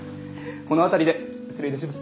この辺りで失礼いたします。